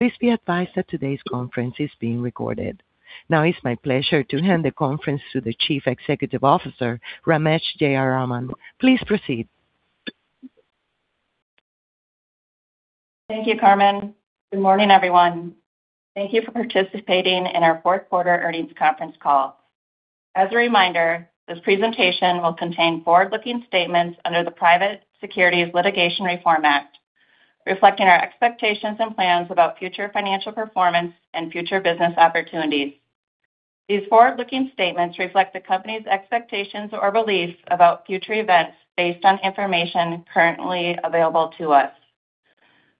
Please be advised that today's conference is being recorded. Now it's my pleasure to hand the conference to the [Investor and Media Relations, Lindsay Barber]. Please proceed. Thank you, Carmen. Good morning, everyone. Thank you for participating in our fourth quarter earnings conference call. As a reminder, this presentation will contain forward-looking statements under the Private Securities Litigation Reform Act, reflecting our expectations and plans about future financial performance and future business opportunities. These forward-looking statements reflect the company's expectations or beliefs about future events based on information currently available to us.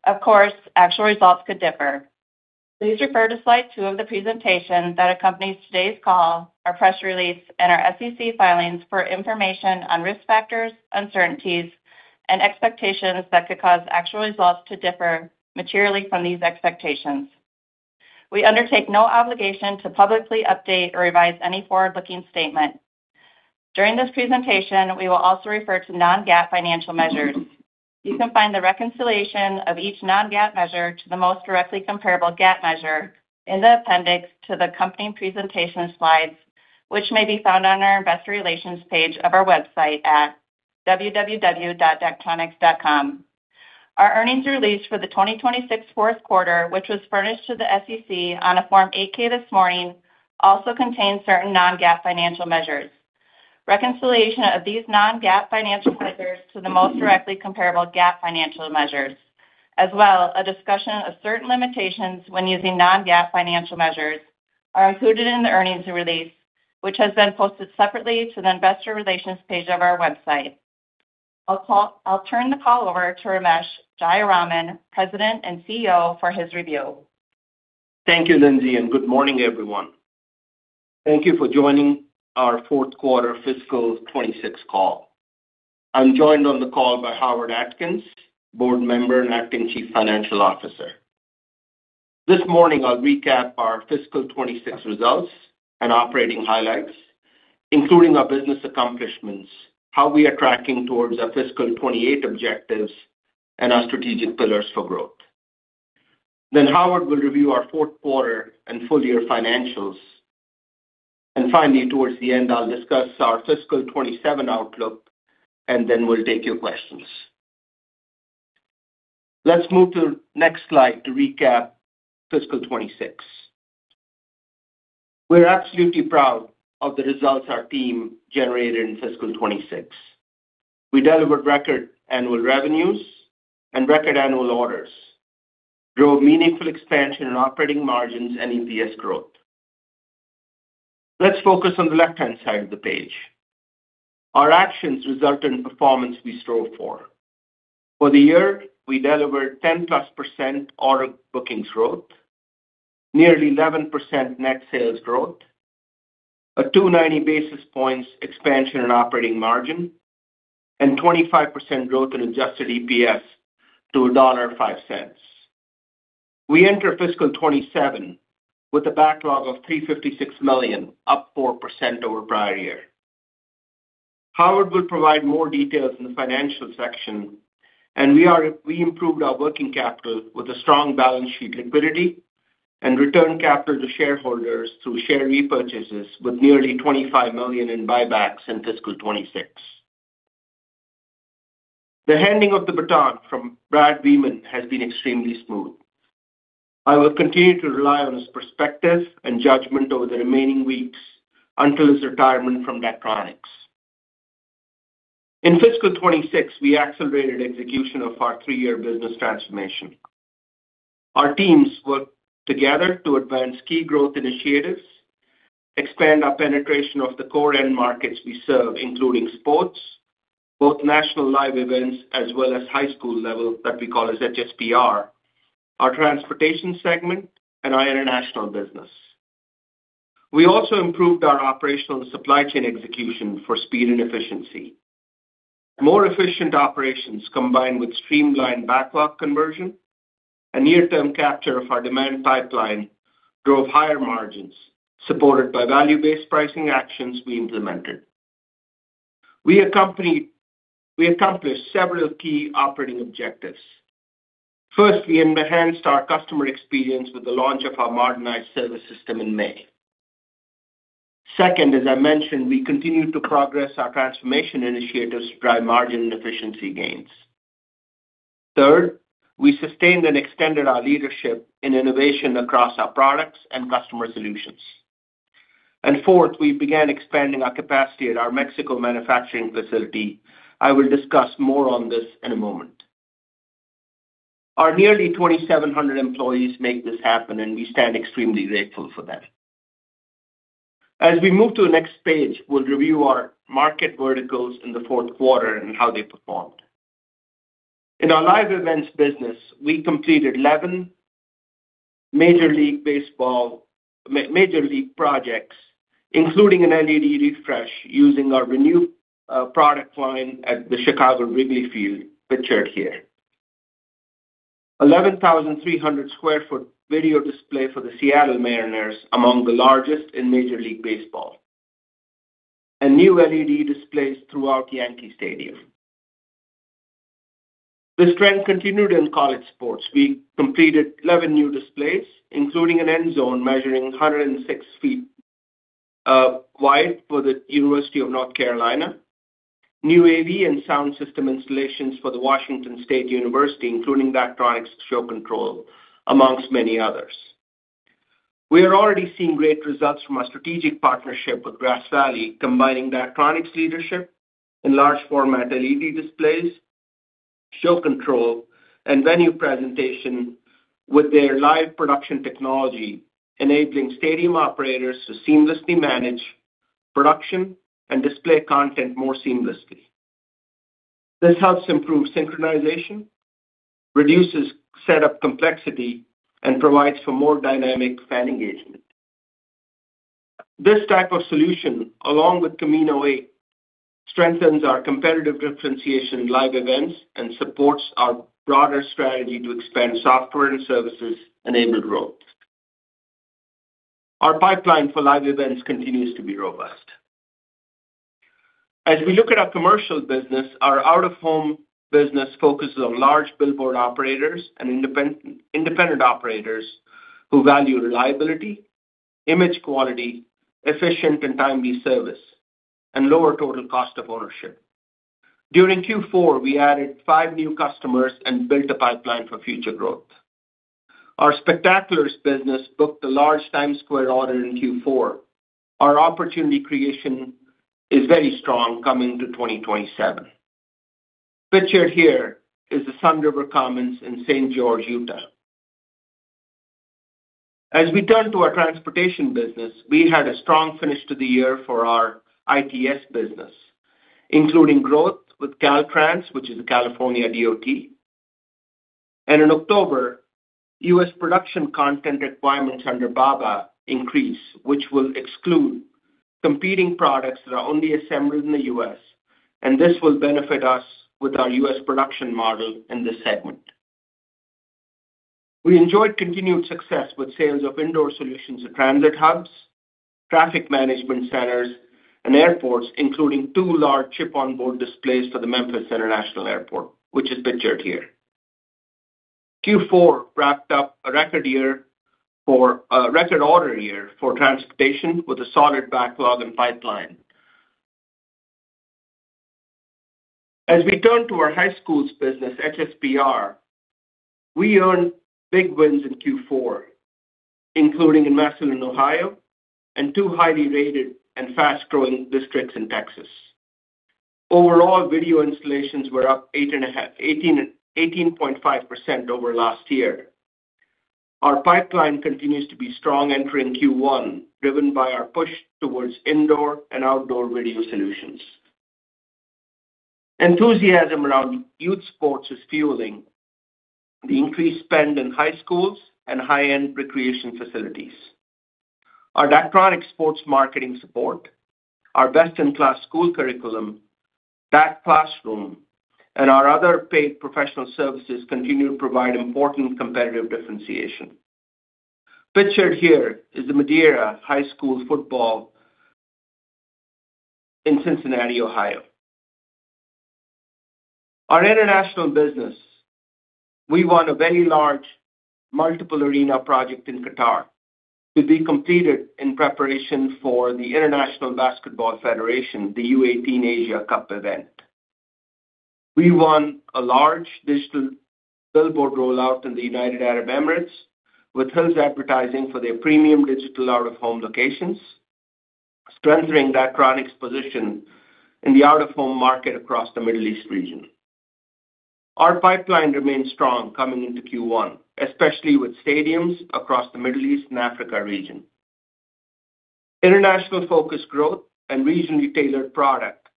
Of course, actual results could differ. Please refer to slide two of the presentation that accompanies today's call, our press release, and our SEC filings for information on risk factors, uncertainties, and expectations that could cause actual results to differ materially from these expectations. We undertake no obligation to publicly update or revise any forward-looking statement. During this presentation, we will also refer to non-GAAP financial measures. You can find the reconciliation of each non-GAAP measure to the most directly comparable GAAP measure in the appendix to the accompanying presentation slides, which may be found on our investor relations page of our website at www.daktronics.com. Our earnings release for the 2026 fourth quarter, which was furnished to the SEC on a Form 8-K this morning, also contains certain non-GAAP financial measures. Reconciliation of these non-GAAP financial measures to the most directly comparable GAAP financial measures, as well a discussion of certain limitations when using non-GAAP financial measures are included in the earnings release, which has been posted separately to the investor relations page of our website. I'll turn the call over to Ramesh Jayaraman, President and CEO, for his review. Thank you, Lindsay, and good morning, everyone. Thank you for joining our fourth quarter fiscal 2026 call. I'm joined on the call by Howard Atkins, board member and Acting Chief Financial Officer. This morning, I'll recap our fiscal 2026 results and operating highlights, including our business accomplishments, how we are tracking towards our fiscal 2028 objectives, and our strategic pillars for growth. Howard will review our fourth quarter and full-year financials. Finally, towards the end, I'll discuss our fiscal 2027 outlook, then we'll take your questions. Let's move to next slide to recap fiscal 2026. We're absolutely proud of the results our team generated in fiscal 2026. We delivered record annual revenues and record annual orders, drove meaningful expansion in operating margins and EPS growth. Let's focus on the left-hand side of the page. Our actions result in performance we strove for. For the year, we delivered 10+percent order bookings growth, nearly 11% net sales growth, a 290 basis points expansion in operating margin, and 25% growth in adjusted EPS to $1.05. We enter fiscal 2027 with a backlog of $356 million, up 4% over prior year. Howard will provide more details in the financial section. We improved our working capital with a strong balance sheet liquidity and return capital to shareholders through share repurchases with nearly $25 million in buybacks in fiscal 2026. The handing of the baton from Brad Wiemann has been extremely smooth. I will continue to rely on his perspective and judgment over the remaining weeks until his retirement from Daktronics. In fiscal 2026, we accelerated execution of our three-year business transformation. Our teams worked together to advance key growth initiatives, expand our penetration of the core end markets we serve, including sports, both national live events, as well as high school level that we call HSPR, our transportation segment, and our international business. We also improved our operational supply chain execution for speed and efficiency. More efficient operations combined with streamlined backlog conversion and near-term capture of our demand pipeline drove higher margins, supported by value-based pricing actions we implemented. We accomplished several key operating objectives. First, we enhanced our customer experience with the launch of our modernized service system in May. Second, as I mentioned, we continued to progress our transformation initiatives to drive margin and efficiency gains. Third, we sustained and extended our leadership in innovation across our products and customer solutions. Fourth, we began expanding our capacity at our Mexico manufacturing facility. I will discuss more on this in a moment. Our nearly 2,700 employees make this happen. We stand extremely grateful for that. As we move to the next page, we'll review our market verticals in the fourth quarter and how they performed. In our live events business, we completed 11 Major League Baseball projects, including an LED refresh using our RENEW product line at the Chicago Wrigley Field, pictured here. 11,300 sq ft video display for the Seattle Mariners, among the largest in Major League Baseball. New LED displays throughout Yankee Stadium. This trend continued in college sports. We completed 11 new displays, including an end zone measuring 106 feet wide for the University of North Carolina, new AV and sound system installations for the Washington State University, including Daktronics Show Control, amongst many others. We are already seeing great results from our strategic partnership with Grass Valley, combining Daktronics leadership in large format LED displays, Show Control, and venue presentation with their live production technology, enabling stadium operators to seamlessly manage production and display content more seamlessly. This helps improve synchronization, reduces setup complexity, and provides for more dynamic fan engagement. This type of solution, along with Camino 8, strengthens our competitive differentiation in live events and supports our broader strategy to expand software and services-enabled growth. Our pipeline for live events continues to be robust. As we look at our commercial business, our out-of-home business focuses on large billboard operators and independent operators who value reliability, image quality, efficient and timely service, and lower total cost of ownership. During Q4, we added five new customers and built a pipeline for future growth. Our spectaculars business booked a large Times Square order in Q4. Our opportunity creation is very strong coming to 2027. Pictured here is the Sunriver Commons in St. George, Utah. As we turn to our transportation business, we had a strong finish to the year for our ITS business, including growth with Caltrans, which is a California DOT. In October, U.S. production content requirements under BABA increased, which will exclude competing products that are only assembled in the U.S., and this will benefit us with our U.S. production model in this segment. We enjoyed continued success with sales of indoor solutions at transit hubs, traffic management centers, and airports, including two large Chip-on-Board displays for the Memphis International Airport, which is pictured here. Q4 wrapped up a record order year for transportation with a solid backlog and pipeline. As we turn to our high schools business, HSPR, we earned big wins in Q4, including in Massillon, Ohio, and two highly rated and fast-growing districts in Texas. Overall, video installations were up 18.5% over last year. Our pipeline continues to be strong entering Q1, driven by our push towards indoor and outdoor video solutions. Enthusiasm around youth sports is fueling the increased spend in high schools and high-end recreation facilities. Our Daktronics sports marketing support, our best-in-class school curriculum, Dak Classroom, and our other paid professional services continue to provide important competitive differentiation. Pictured here is the Madeira High School's football in Cincinnati, Ohio. Our international business, we won a very large multiple arena project in Qatar to be completed in preparation for the International Basketball Federation, the U18 Asia Cup event. We won a large digital billboard rollout in the United Arab Emirates with Hills Advertising for their premium digital out-of-home locations, strengthening Daktronics' position in the out-of-home market across the Middle East region. Our pipeline remains strong coming into Q1, especially with stadiums across the Middle East and Africa region. International focused growth and regionally tailored product,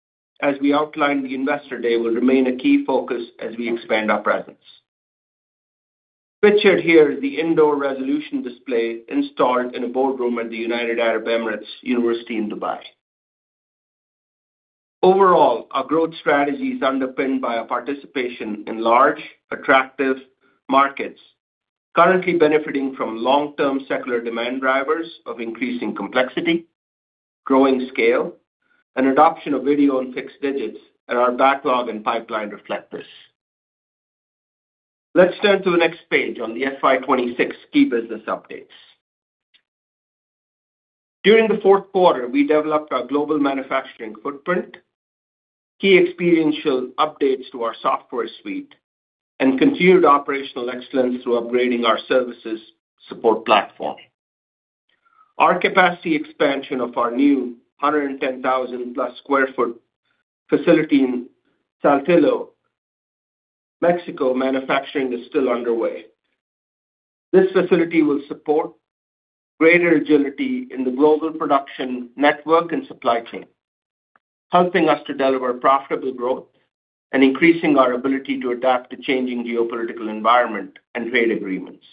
as we outlined in the investor day, will remain a key focus as we expand our presence. Pictured here is the indoor resolution display installed in a boardroom at the United Arab Emirates University in Dubai. Overall, our growth strategy is underpinned by our participation in large, attractive markets currently benefiting from long-term secular demand drivers of increasing complexity, growing scale, and adoption of video and fixed digits, and our backlog and pipeline reflect this. Let's turn to the next page on the FY 2026 key business updates. During the fourth quarter, we developed our global manufacturing footprint, key experiential updates to our software suite, and continued operational excellence through upgrading our services support platform. Our capacity expansion of our new 110,000+sq ft facility in Saltillo, Mexico, manufacturing is still underway. This facility will support greater agility in the global production network and supply chain, helping us to deliver profitable growth and increasing our ability to adapt to changing geopolitical environment and trade agreements.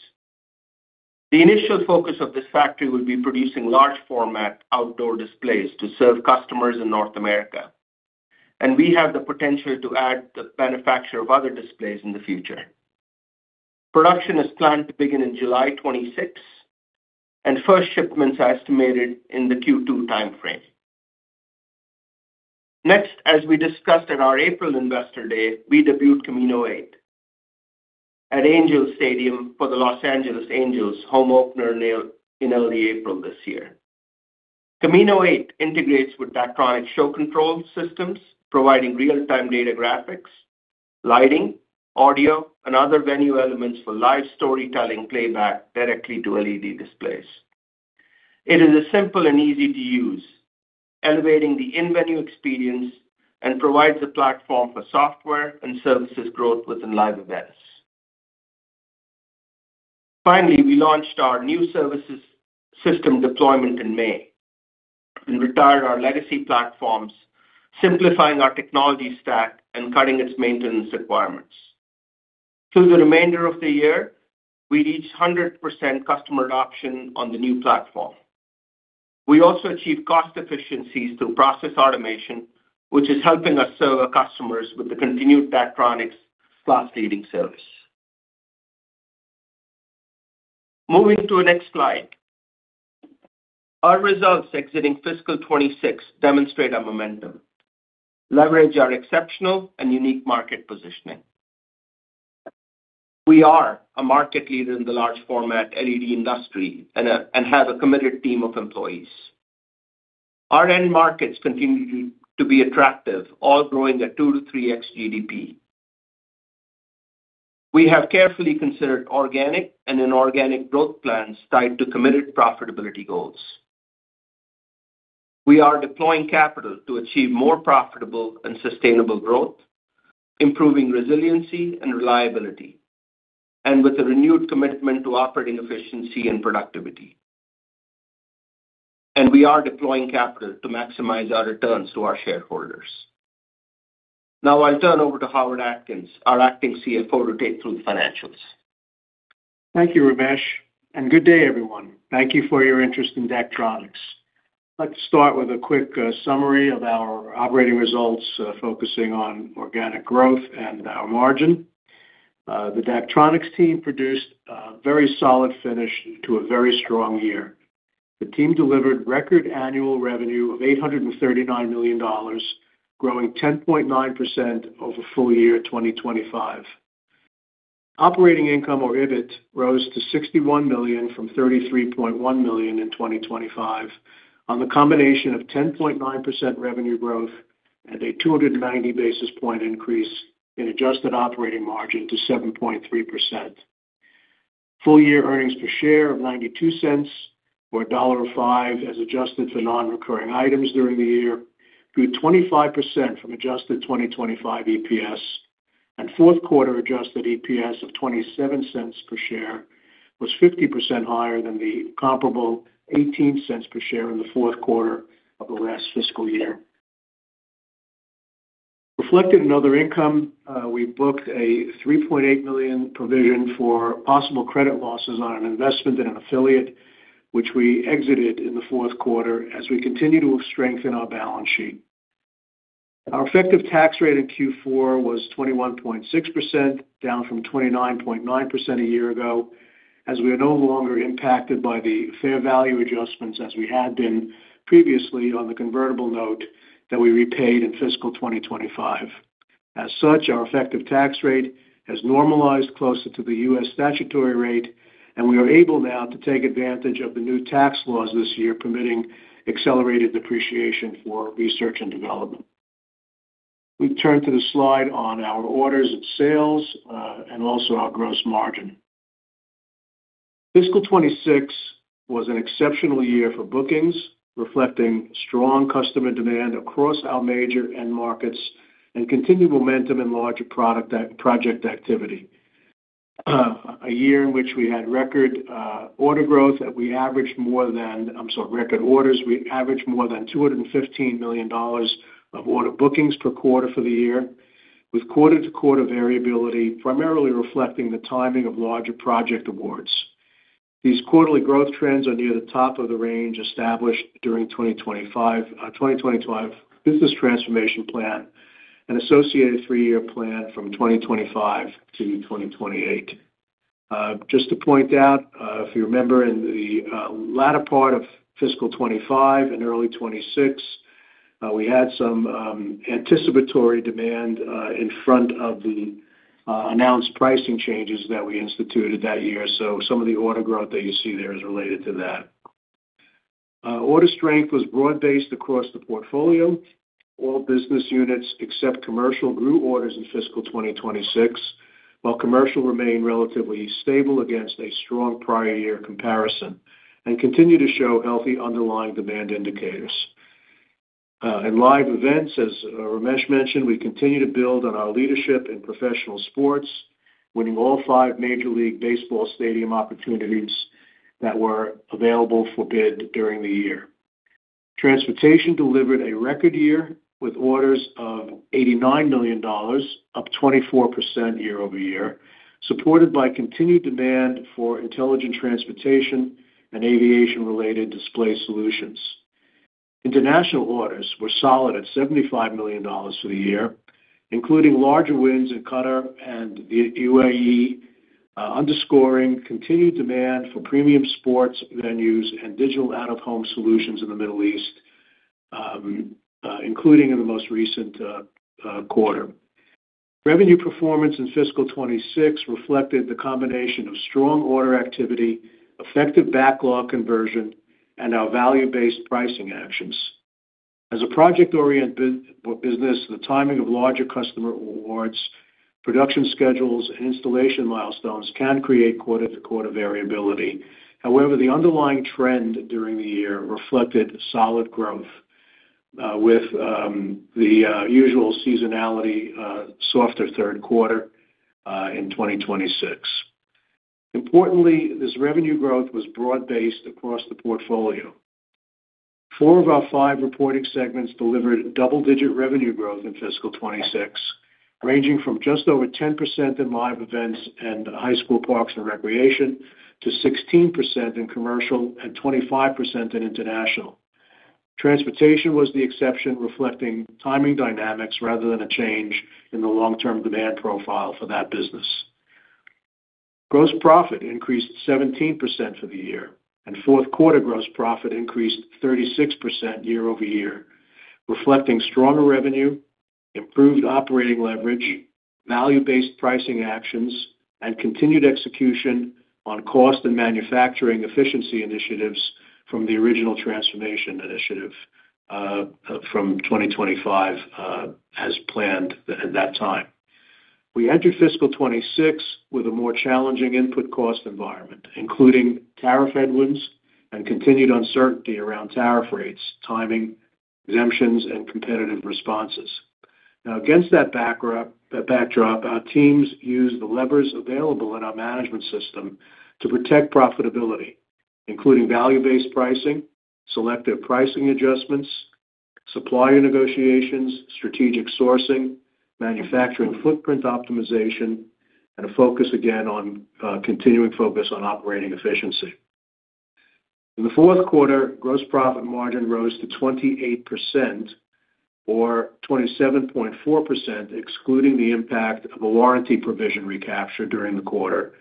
The initial focus of this factory will be producing large format outdoor displays to serve customers in North America. We have the potential to add the manufacture of other displays in the future. Production is planned to begin in July 2026, and first shipments are estimated in the Q2 timeframe. As we discussed at our April investor day, we debuted Camino 8 at Angel Stadium for the Los Angeles Angels home opener in early April this year. Camino 8 integrates with Daktronics Show Control systems, providing real-time data graphics, lighting, audio, and other venue elements for live storytelling playback directly to LED displays. It is simple and easy to use, elevating the in-venue experience, and provides a platform for software and services growth within live events. Finally, we launched our new services system deployment in May and retired our legacy platforms, simplifying our technology stack and cutting its maintenance requirements. Through the remainder of the year, we reached 100% customer adoption on the new platform. We also achieved cost efficiencies through process automation, which is helping us serve our customers with the continued Daktronics class-leading service. Moving to the next slide. Our results exiting fiscal 2026 demonstrate our momentum, leverage our exceptional and unique market positioning. We are a market leader in the large format LED industry and have a committed team of employees. Our end markets continue to be attractive, all growing at 2x-3x GDP. We have carefully considered organic and inorganic growth plans tied to committed profitability goals. We are deploying capital to achieve more profitable and sustainable growth, improving resiliency and reliability, and with a renewed commitment to operating efficiency and productivity. We are deploying capital to maximize our returns to our shareholders. Now I'll turn over to Howard Atkins, our Acting Chief Financial Officer, to take through the financials. Thank you, Ramesh, and good day, everyone. Thank you for your interest in Daktronics. Let's start with a quick summary of our operating results, focusing on organic growth and our margin. The Daktronics team produced a very solid finish to a very strong year. The team delivered record annual revenue of $839 million, growing 10.9% over full year 2025. Operating income or EBIT rose to $61 million from $33.1 million in 2025 on the combination of 10.9% revenue growth and a 290 basis point increase in adjusted operating margin to 7.3%. Full year earnings per share of $0.92 or $1.05 as adjusted for non-recurring items during the year grew 25% from adjusted 2025 EPS. Fourth quarter adjusted EPS of $0.27 per share was 50% higher than the comparable $0.18 per share in the fourth quarter of the last fiscal year. Reflected in other income, we booked a $3.8 million provision for possible credit losses on an investment in an affiliate, which we exited in the fourth quarter as we continue to strengthen our balance sheet. Our effective tax rate in Q4 was 21.6%, down from 29.9% a year ago, as we are no longer impacted by the fair value adjustments as we had been previously on the convertible note that we repaid in fiscal 2025. As such, our effective tax rate has normalized closer to the U.S. statutory rate, we are able now to take advantage of the new tax laws this year, permitting accelerated depreciation for research and development. We turn to the slide on our orders and sales, and also our gross margin. Fiscal 2026 was an exceptional year for bookings, reflecting strong customer demand across our major end markets and continued momentum in larger project activity. A year in which we had record order growth that we averaged more than I'm sorry, record orders. We averaged more than $215 million of order bookings per quarter for the year, with quarter-to-quarter variability primarily reflecting the timing of larger project awards. These quarterly growth trends are near the top of the range established during 2025 Business Transformation Plan and associated three-year plan from 2025-2028. Just to point out, if you remember, in the latter part of fiscal 2025 and early 2026, we had some anticipatory demand in front of the announced pricing changes that we instituted that year. Some of the order growth that you see there is related to that. Order strength was broad-based across the portfolio. All business units except Commercial grew orders in fiscal 2026, while Commercial remained relatively stable against a strong prior year comparison and continue to show healthy underlying demand indicators. In Live Events, as Ramesh mentioned, we continue to build on our leadership in professional sports, winning all five Major League Baseball stadium opportunities that were available for bid during the year. Transportation delivered a record year with orders of $89 million, up 24% year-over-year, supported by continued demand for intelligent transportation and aviation-related display solutions. International orders were solid at $75 million for the year, including larger wins in Qatar and the UAE, underscoring continued demand for premium sports venues and digital out-of-home solutions in the Middle East, including in the most recent quarter. Revenue performance in fiscal 2026 reflected the combination of strong order activity, effective backlog conversion, and our value-based pricing actions. As a project-oriented business, the timing of larger customer awards, production schedules, and installation milestones can create quarter-to-quarter variability. However, the underlying trend during the year reflected solid growth, with the usual seasonality softer third quarter in 2026. Importantly, this revenue growth was broad-based across the portfolio. Four of our five reporting segments delivered double-digit revenue growth in fiscal 2026, ranging from just over 10% in Live Events and High School Parks and Recreation to 16% in Commercial and 25% in International. Transportation was the exception, reflecting timing dynamics rather than a change in the long-term demand profile for that business. Gross profit increased 17% for the year, and fourth quarter gross profit increased 36% year-over-year, reflecting stronger revenue, improved operating leverage, value-based pricing actions, and continued execution on cost and manufacturing efficiency initiatives from the original Transformation Initiative from 2025 as planned at that time. We entered fiscal 2026 with a more challenging input cost environment, including tariff headwinds and continued uncertainty around tariff rates, timing, exemptions, and competitive responses. Against that backdrop, our teams used the levers available in our management system to protect profitability, including value-based pricing, selective pricing adjustments, supplier negotiations, strategic sourcing, manufacturing footprint optimization, and a continuing focus on operating efficiency. In the fourth quarter, gross profit margin rose to 28%, or 27.4%, excluding the impact of a warranty provision recapture during the quarter,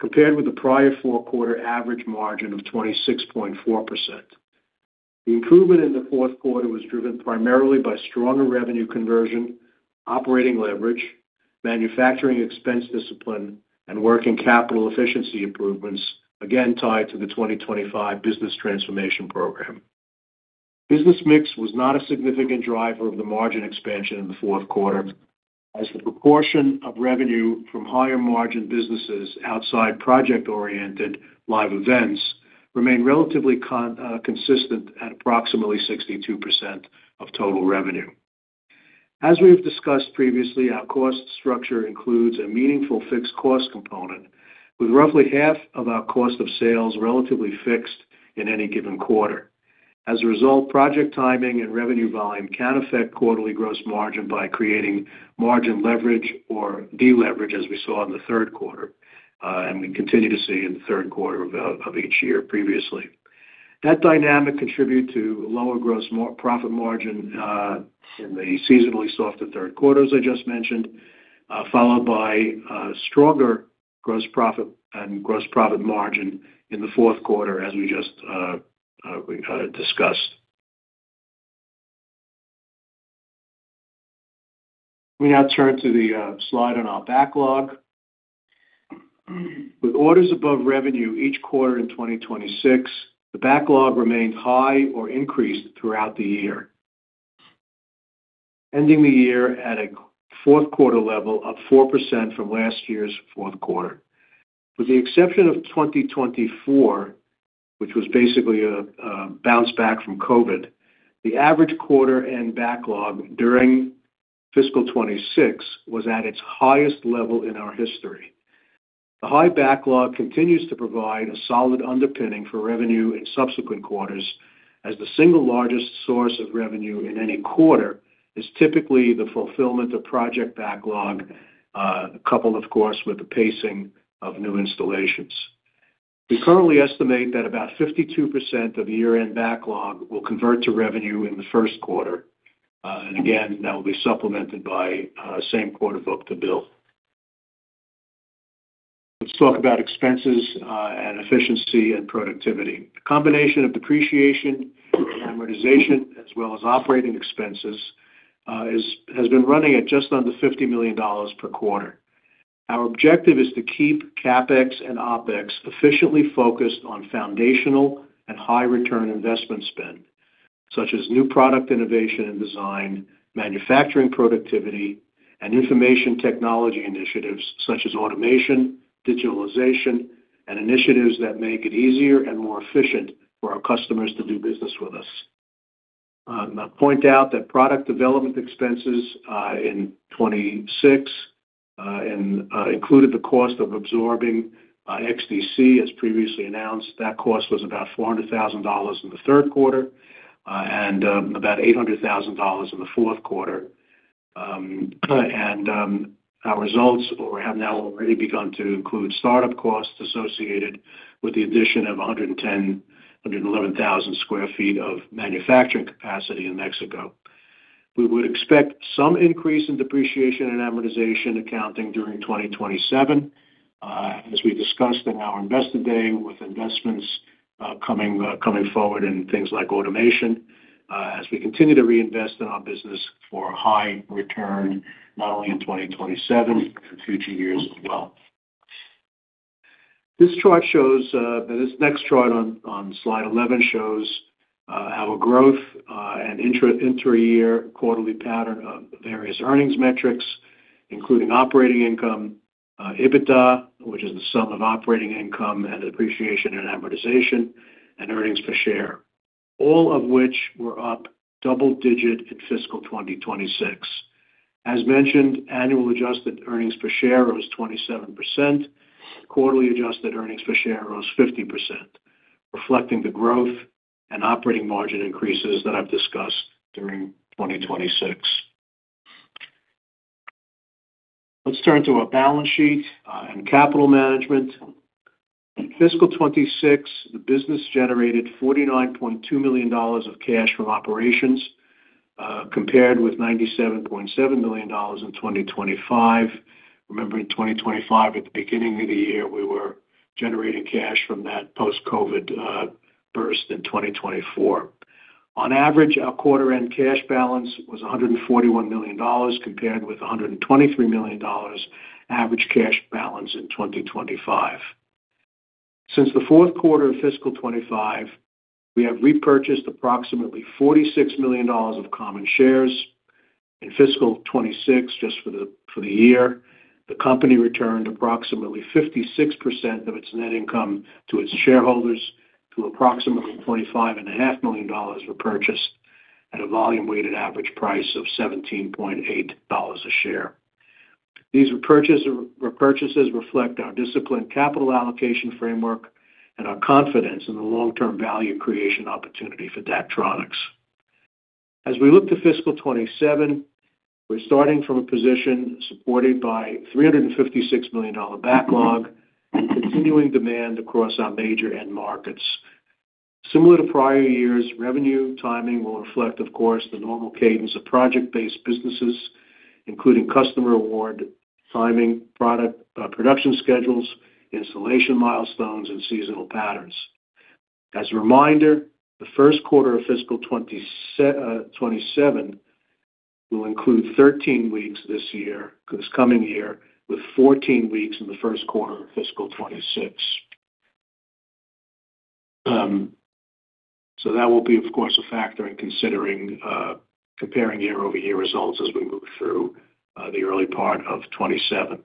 compared with the prior four-quarter average margin of 26.4%. The improvement in the fourth quarter was driven primarily by stronger revenue conversion, operating leverage, manufacturing expense discipline, and working capital efficiency improvements, again tied to the 2025 Business Transformation Program. Business mix was not a significant driver of the margin expansion in the fourth quarter, as the proportion of revenue from higher-margin businesses outside project-oriented live events remained relatively consistent at approximately 62% of total revenue. As we've discussed previously, our cost structure includes a meaningful fixed cost component, with roughly half of our cost of sales relatively fixed in any given quarter. As a result, project timing and revenue volume can affect quarterly gross margin by creating margin leverage or deleverage, as we saw in the third quarter and we continue to see in the third quarter of each year previously. That dynamic contributed to lower gross profit margin in the seasonally softer third quarter, as I just mentioned, followed by stronger gross profit and gross profit margin in the fourth quarter, as we just discussed. We now turn to the slide on our backlog. With orders above revenue each quarter in 2026, the backlog remained high or increased throughout the year, ending the year at a fourth quarter level up 4% from last year's fourth quarter. With the exception of 2024, which was basically a bounce back from COVID, the average quarter end backlog during fiscal 2026 was at its highest level in our history. The high backlog continues to provide a solid underpinning for revenue in subsequent quarters, as the single largest source of revenue in any quarter is typically the fulfillment of project backlog, coupled, of course, with the pacing of new installations. We currently estimate that about 52% of year-end backlog will convert to revenue in the first quarter. Again, that will be supplemented by same quarter book-to-bill. Let's talk about expenses and efficiency and productivity. The combination of depreciation and amortization as well as operating expenses has been running at just under $50 million per quarter. Our objective is to keep CapEx and OpEx efficiently focused on foundational and high-return investment spend, such as new product innovation and design, manufacturing productivity, and information technology initiatives such as automation, digitalization, and initiatives that make it easier and more efficient for our customers to do business with us. I'll point out that product development expenses in 2026 included the cost of absorbing XDC, as previously announced. That cost was about $400,000 in the third quarter and about $800,000 in the fourth quarter. Our results have now already begun to include startup costs associated with the addition of 110,000, 111,000 sq ft of manufacturing capacity in Mexico. We would expect some increase in depreciation and amortization accounting during 2027, as we discussed in our Investor Day, with investments coming forward in things like automation as we continue to reinvest in our business for a high return, not only in 2027, but in future years as well. This next chart on slide 11 shows our growth and intra-year quarterly pattern of various earnings metrics, including operating income, EBITDA, which is the sum of operating income and depreciation and amortization, and earnings per share. All of which were up double digit in fiscal 2026. As mentioned, annual adjusted earnings per share rose 27%. Quarterly adjusted earnings per share rose 50%, reflecting the growth and operating margin increases that I've discussed during 2026. Let's turn to our balance sheet and capital management. In fiscal 2026, the business generated $49.2 million of cash from operations, compared with $97.7 million in 2025. Remember, in 2025, at the beginning of the year, we were generating cash from that post-COVID burst in 2024. On average, our quarter-end cash balance was $141 million, compared with $123 million average cash balance in 2025. Since the fourth quarter of fiscal 2025, we have repurchased approximately $46 million of common shares. In fiscal 2026, just for the year, the company returned approximately 56% of its net income to its shareholders, through approximately $25.5 million repurchased at a volume-weighted average price of $17.80 a share. These repurchases reflect our disciplined capital allocation framework and our confidence in the long-term value creation opportunity for Daktronics. As we look to fiscal 2027, we're starting from a position supported by a $356 million backlog and continuing demand across our major end markets. Similar to prior years, revenue timing will reflect, of course, the normal cadence of project-based businesses, including customer award timing, product production schedules, installation milestones, and seasonal patterns. As a reminder, the first quarter of fiscal 2027 will include 13 weeks this coming year, with 14 weeks in the first quarter of fiscal 2026. That will be, of course, a factor in considering comparing year-over-year results as we move through the early part of 2027.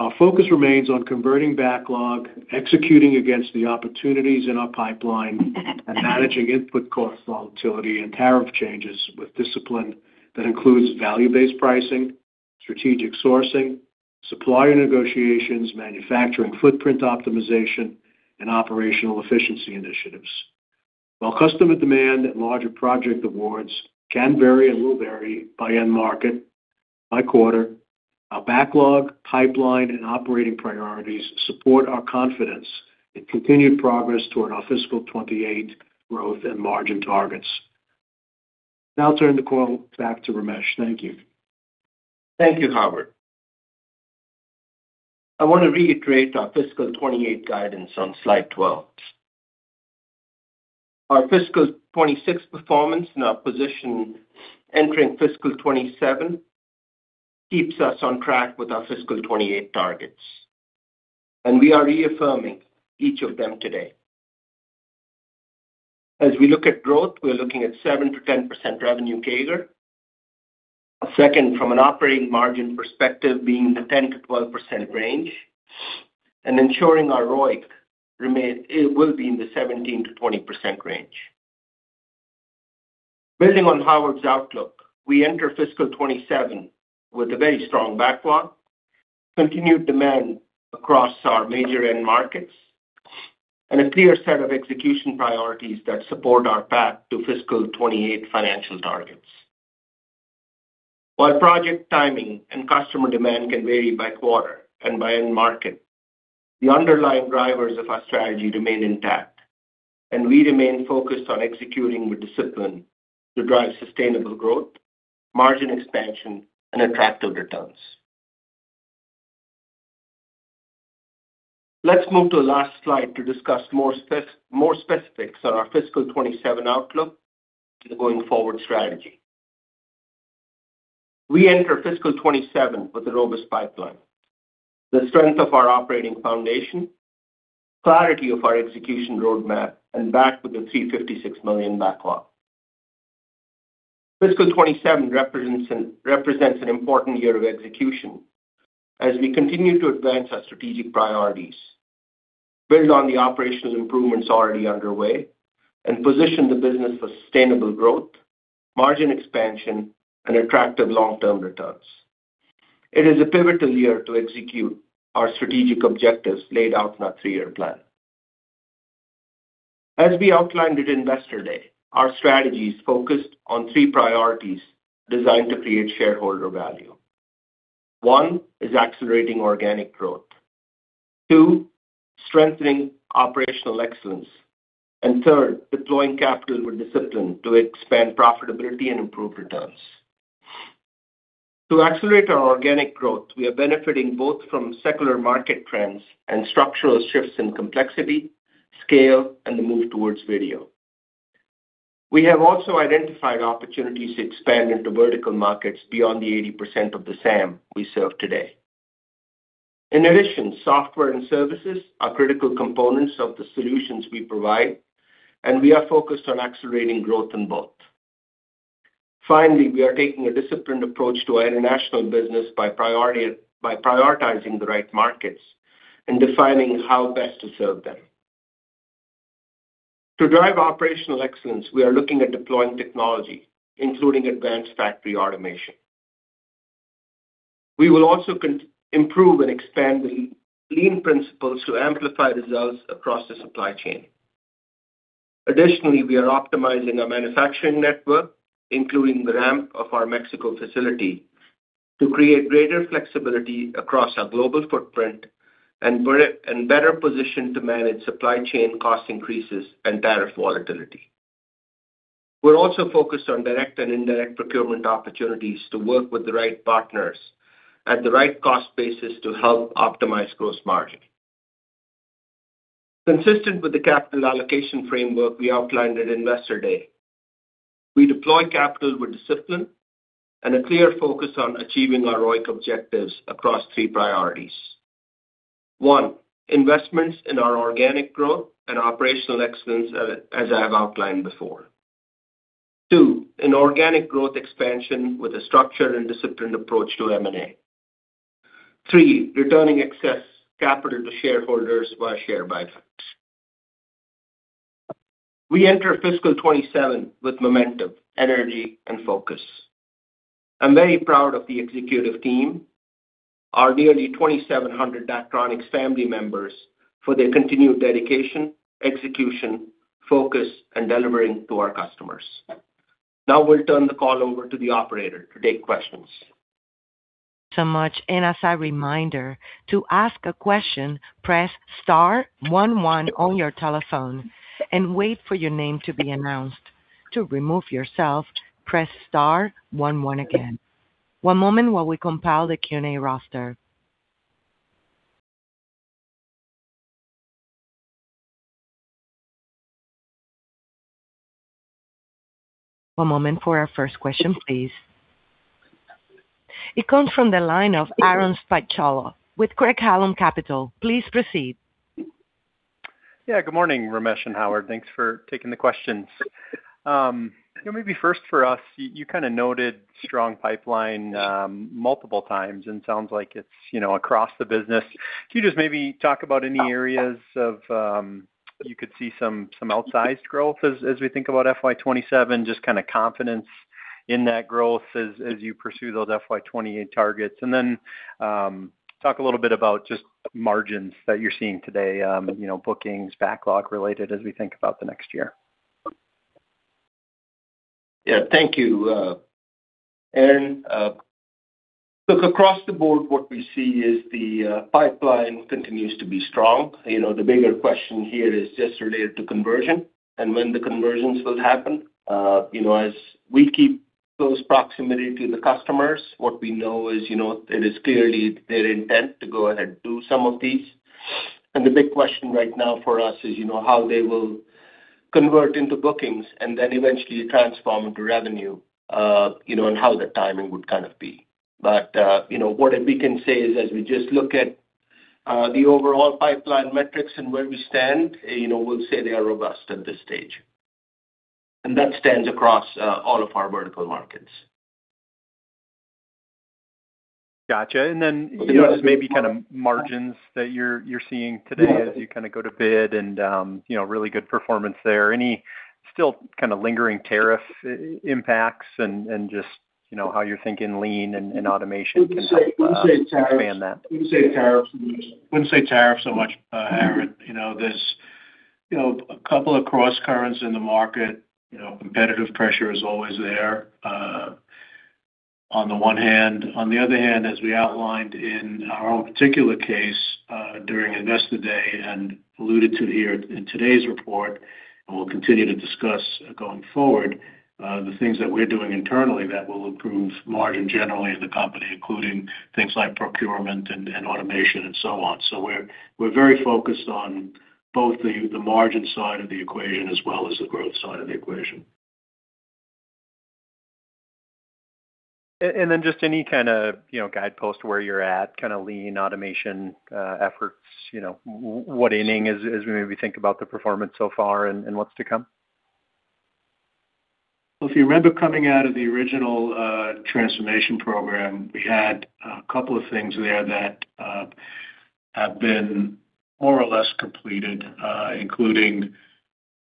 Our focus remains on converting backlog, executing against the opportunities in our pipeline, and managing input cost volatility and tariff changes with discipline that includes value-based pricing, strategic sourcing, supplier negotiations, manufacturing footprint optimization, and operational efficiency initiatives. While customer demand and larger project awards can vary and will vary by end market, by quarter, our backlog, pipeline, and operating priorities support our confidence in continued progress toward our fiscal 2028 growth and margin targets. I'll turn the call back to Ramesh. Thank you. Thank you, Howard. I want to reiterate our fiscal 2028 guidance on slide 12. Our fiscal 2026 performance and our position entering fiscal 2027 keeps us on track with our fiscal 2028 targets. We are reaffirming each of them today. As we look at growth, we are looking at 7%-10% revenue CAGR. Second, from an operating margin perspective, being in the 10%-12% range, and ensuring our ROIC will be in the 17%-20% range. Building on Howard's outlook, we enter fiscal 2027 with a very strong backlog, continued demand across our major end markets, and a clear set of execution priorities that support our path to fiscal 2028 financial targets. While project timing and customer demand can vary by quarter and by end market, the underlying drivers of our strategy remain intact, and we remain focused on executing with discipline to drive sustainable growth, margin expansion, and attractive returns. Let's move to the last slide to discuss more specifics on our fiscal 2027 outlook and going forward strategy. We enter fiscal 2027 with a robust pipeline. The strength of our operating foundation, clarity of our execution roadmap, and backed with a $356 million backlog. Fiscal 2027 represents an important year of execution as we continue to advance our strategic priorities, build on the operational improvements already underway, and position the business for sustainable growth, margin expansion, and attractive long-term returns. It is a pivotal year to execute our strategic objectives laid out in our three-year plan. As we outlined at Investor Day, our strategy is focused on three priorities designed to create shareholder value. One is accelerating organic growth. Two strengthening operational excellence. Third, deploying capital with discipline to expand profitability and improve returns. To accelerate our organic growth, we are benefiting both from secular market trends and structural shifts in complexity, scale, and the move towards video. We have also identified opportunities to expand into vertical markets beyond the 80% of the SAM we serve today. In addition, software and services are critical components of the solutions we provide, and we are focused on accelerating growth in both. Finally, we are taking a disciplined approach to our international business by prioritizing the right markets and defining how best to serve them. To drive operational excellence, we are looking at deploying technology, including advanced factory automation. We will also improve and expand the lean principles to amplify results across the supply chain. Additionally, we are optimizing our manufacturing network, including the ramp of our Mexico facility, to create greater flexibility across our global footprint and better position to manage supply chain cost increases and tariff volatility. We're also focused on direct and indirect procurement opportunities to work with the right partners at the right cost basis to help optimize gross margin. Consistent with the capital allocation framework we outlined at Investor Day, we deploy capital with discipline and a clear focus on achieving our ROIC objectives across three priorities. One investments in our organic growth and operational excellence as I have outlined before. Two an organic growth expansion with a structured and disciplined approach to M&A. Three returning excess capital to shareholders via share buybacks. We enter fiscal 2027 with momentum, energy, and focus. I'm very proud of the executive team, our nearly 2,700 Daktronics family members, for their continued dedication, execution, focus, and delivering to our customers. We'll turn the call over to the operator to take questions. As a reminder, to ask a question, press star one one on your telephone and wait for your name to be announced. To remove yourself, press star one one again. One moment while we compile the Q&A roster. One moment for our first question, please. It comes from the line of Aaron Spychalla with Craig-Hallum Capital. Please proceed. Good morning, Ramesh and Howard. Thanks for taking the questions. Maybe first for us, you kind of noted strong pipeline multiple times, sounds like it's across the business. Can you just maybe talk about any areas of you could see some outsized growth as we think about FY 2027, just kind of confidence in that growth as you pursue those FY 2028 targets? Then, talk a little bit about just margins that you're seeing today, bookings backlog related as we think about the next year. Thank you, Aaron. Look, across the board, what we see is the pipeline continues to be strong. The bigger question here is just related to conversion and when the conversions will happen. As we keep close proximity to the customers, what we know is it is clearly their intent to go ahead do some of these. The big question right now for us is how they will convert into bookings and then eventually transform into revenue, and how the timing would kind of be. What we can say is, as we just look at the overall pipeline metrics and where we stand, we'll say they are robust at this stage. That stands across all of our vertical markets. Got you. Then, just maybe kind of margins that you're seeing today as you kind of go to bid, really good performance there. Any still kind of lingering tariff impacts and just how you're thinking lean and automation can help- Wouldn't say expand that. Wouldn't say tariffs so much, Aaron. There's a couple of crosscurrents in the market. Competitive pressure is always there on the one hand. On the other hand, as we outlined in our own particular case during Investor Day and alluded to here in today's report, and we'll continue to discuss going forward, the things that we're doing internally that will improve margin generally in the company, including things like procurement and automation and so on. We're very focused on both the margin side of the equation as well as the growth side of the equation. Just any kind of guidepost where you're at, kind of lean automation efforts, what inning as we maybe think about the performance so far and what's to come? Well, if you remember coming out of the original transformation program, we had a couple of things there that have been more or less completed, including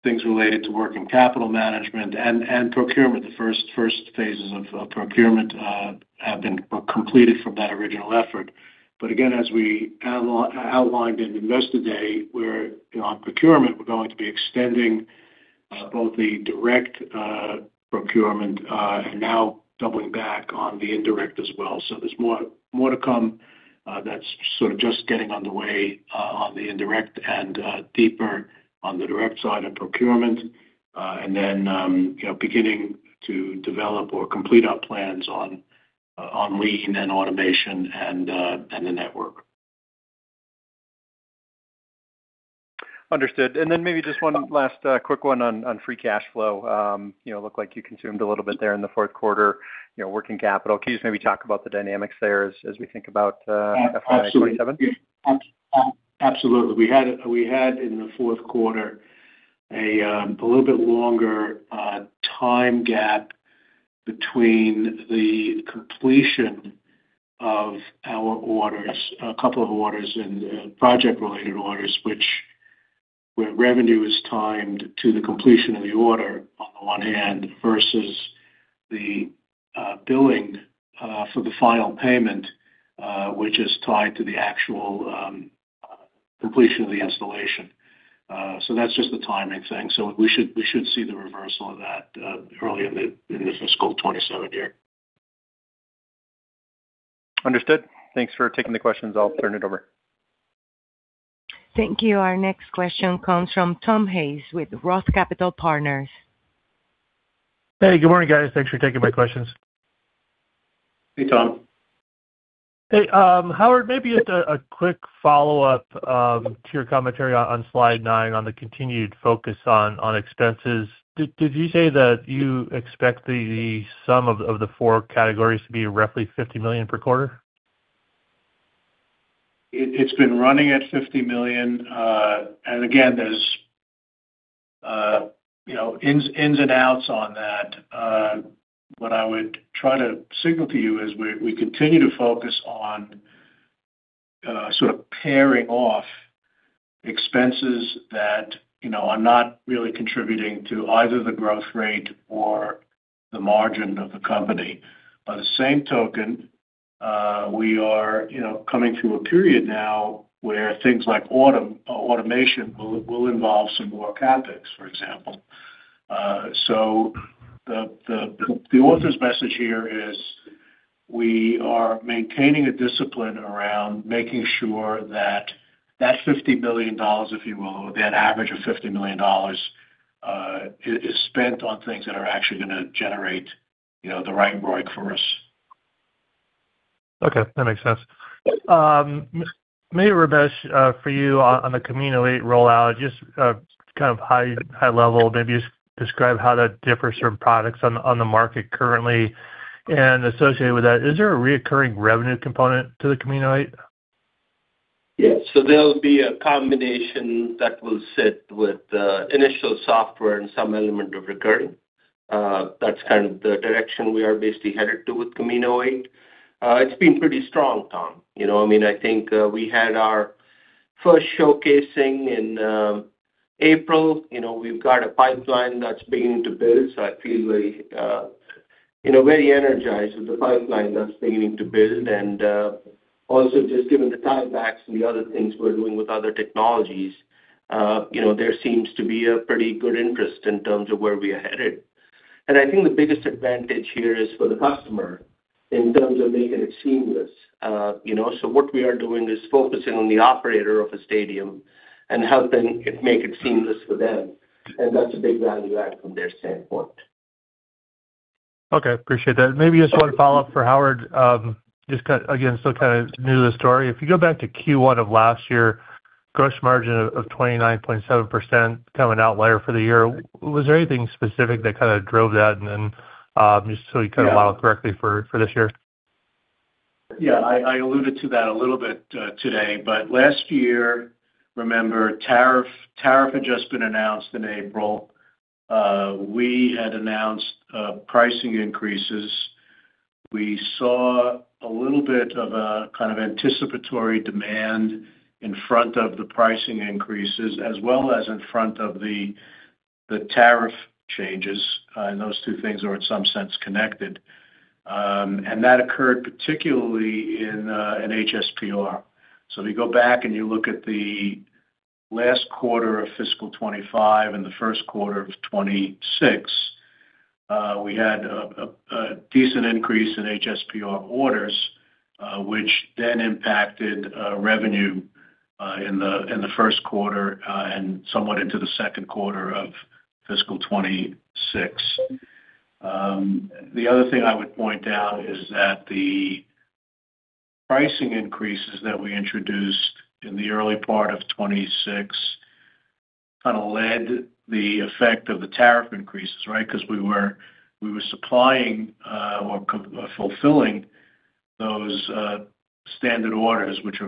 things related to working capital management and procurement. The first phases of procurement have been completed from that original effort. Again, as we outlined in Investor Day, on procurement, we're going to be extending both the direct procurement and now doubling back on the indirect as well. There's more to come that's sort of just getting on the way on the indirect and deeper on the direct side of procurement, and then beginning to develop or complete our plans on lean and automation and the network. Understood. Then maybe just one last quick one on free cash flow. Looked like you consumed a little bit there in the fourth quarter, working capital. Can you just maybe talk about the dynamics there as we think about FY 2027? Absolutely. We had in the fourth quarter a little bit longer time gap between the completion of our orders, a couple of orders and project-related orders, where revenue is timed to the completion of the order on the one hand versus the billing for the final payment, which is tied to the actual completion of the installation. That's just a timing thing. We should see the reversal of that early in the fiscal 2027 year. Understood. Thanks for taking the questions. I'll turn it over. Thank you. Our next question comes from Tom Hayes with Roth Capital Partners. Hey, good morning, guys. Thanks for taking my questions. Hey, Tom. Hey, Howard, maybe just a quick follow-up to your commentary on Slide nine on the continued focus on expenses. Did you say that you expect the sum of the four categories to be roughly $50 million per quarter? It's been running at $50 million. Again, there's ins and outs on that. What I would try to signal to you is we continue to focus on sort of pairing off expenses that are not really contributing to either the growth rate or the margin of the company. By the same token, we are coming through a period now where things like automation will involve some more CapEx, for example. The author's message here is we are maintaining a discipline around making sure that that $50 million, if you will, that average of $50 million, is spent on things that are actually going to generate the right ROIC for us. Okay, that makes sense. Maybe, Ramesh, for you on the Camino 8 rollout, just kind of high level, maybe just describe how that differs from products on the market currently. Associated with that, is there a reoccurring revenue component to the Camino 8? Yeah. There'll be a combination that will sit with the initial software and some element of recurring. That's kind of the direction we are basically headed to with Camino 8. It's been pretty strong, Tom. I think we had our first showcasing in April. We've got a pipeline that's beginning to build. I feel very energized with the pipeline that's beginning to build. Also just given the tiebacks and the other things we're doing with other technologies, there seems to be a pretty good interest in terms of where we are headed. I think the biggest advantage here is for the customer in terms of making it seamless. What we are doing is focusing on the operator of a stadium and helping make it seamless for them, and that's a big value add from their standpoint. Okay. Appreciate that. Maybe just one follow-up for Howard. Just again, still kind of new to the story. If you go back to Q1 of last year, gross margin of 29.7%, kind of an outlier for the year. Was there anything specific that kind of drove that, and then just so we kind of model it correctly for this year? Yeah, I alluded to that a little bit today. Last year, remember, tariff had just been announced in April. We had announced pricing increases. We saw a little bit of anticipatory demand in front of the pricing increases as well as in front of the tariff changes, and those two things are in some sense connected. That occurred particularly in HSPR. If you go back and you look at the last quarter of fiscal 2025 and the first quarter of fiscal 2026, we had a decent increase in HSPR orders, which then impacted revenue in the first quarter and somewhat into the second quarter of fiscal 2026. The other thing I would point out is that the pricing increases that we introduced in the early part of 2026 kind of led the effect of the tariff increases, right? Because we were supplying or fulfilling those standard orders, which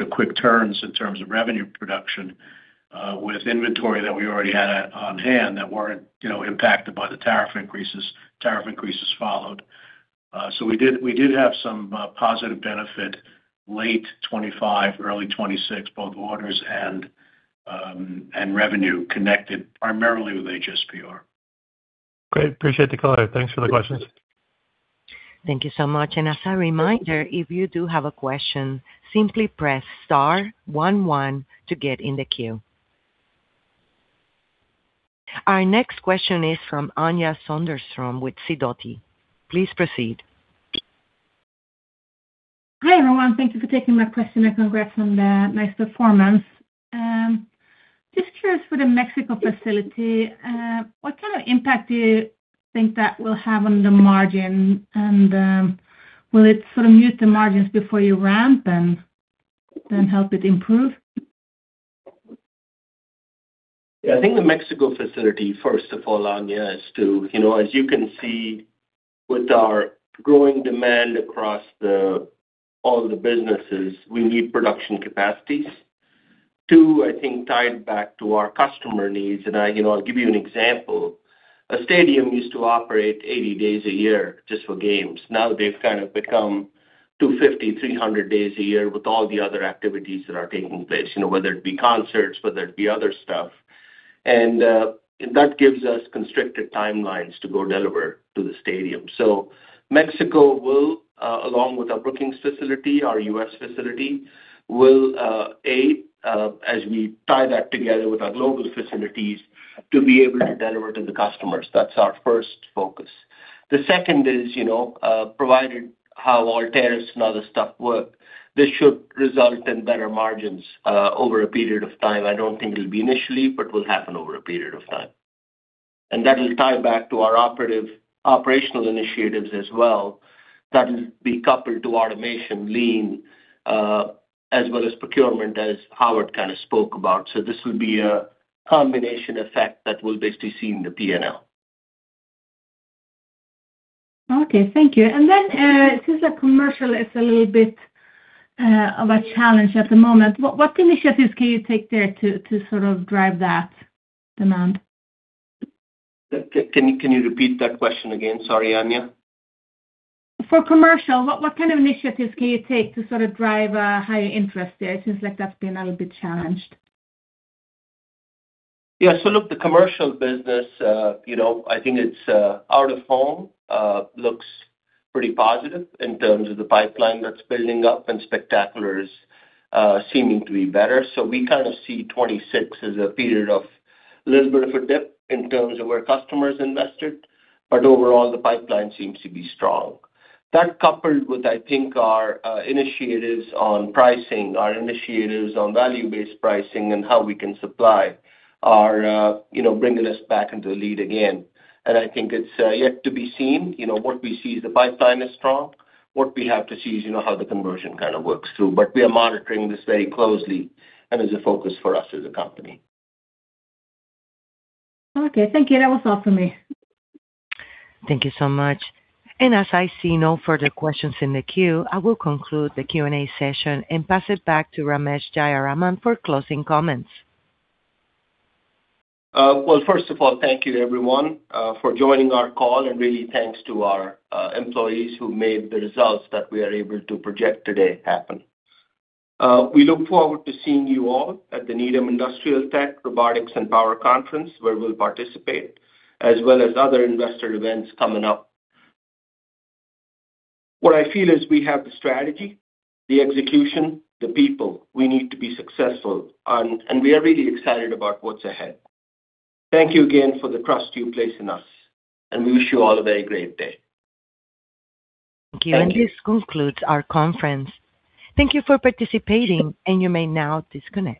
are quick turns in terms of revenue production, with inventory that we already had on hand that weren't impacted by the tariff increases. Tariff increases followed. We did have some positive benefit late 2025, early 2026, both orders and revenue connected primarily with HSPR. Great. Appreciate the color. Thanks for the questions. Thank you so much. As a reminder, if you do have a question, simply press star one to get in the queue. Our next question is from Anja Soderstrom with Sidoti. Please proceed. Hi, everyone. Thank you for taking my question, and congrats on the nice performance. Just curious for the Mexico facility, what kind of impact do you think that will have on the margin? Will it sort of mute the margins before you ramp and then help it improve? Yeah. I think the Mexico facility, first of all, Anja, is to, as you can see with our growing demand across all the businesses, we need production capacities. Two, I think tied back to our customer needs. I'll give you an example. A stadium used to operate 80 days a year just for games. Now they've kind of become 250, 300 days a year with all the other activities that are taking place, whether it be concerts, whether it be other stuff. That gives us constricted timelines to go deliver to the stadium. Mexico will, along with our Brookings facility, our U.S. facility, will aid as we tie that together with our global facilities to be able to deliver to the customers. That's our first focus. The second is, provided how all tariffs and other stuff work, this should result in better margins over a period of time. I don't think it'll be initially, but will happen over a period of time. That will tie back to our operational initiatives as well, that will be coupled to automation lean, as well as procurement as Howard kind of spoke about. This will be a combination effect that we'll basically see in the P&L. Okay, thank you. Since the commercial is a little bit of a challenge at the moment, what initiatives can you take there to sort of drive that demand? Can you repeat that question again? Sorry, Anja. For commercial, what kind of initiatives can you take to sort of drive a higher interest there? It seems like that's been a little bit challenged. Yeah. Look, the commercial business, I think it's out of home, looks pretty positive in terms of the pipeline that's building up, and spectacular is seeming to be better. We kind of see 2026 as a period of a little bit of a dip in terms of where customers invested. Overall, the pipeline seems to be strong. That coupled with, I think, our initiatives on pricing, our initiatives on value-based pricing and how we can supply are bringing us back into the lead again. I think it's yet to be seen. What we see is the pipeline is strong. What we have to see is how the conversion kind of works too. We are monitoring this very closely and is a focus for us as a company. Okay, thank you. That was all for me. Thank you so much. As I see no further questions in the queue, I will conclude the Q&A session and pass it back to Ramesh Jayaraman for closing comments. Well, first of all, thank you everyone for joining our call, and really thanks to our employees who made the results that we are able to project today happen. We look forward to seeing you all at the Needham Industrial Tech, Robotics, & Power Conference, where we'll participate, as well as other investor events coming up. What I feel is we have the strategy, the execution, the people we need to be successful, and we are really excited about what's ahead. Thank you again for the trust you place in us, and we wish you all a very great day. Thank you. This concludes our conference. Thank you for participating, and you may now disconnect.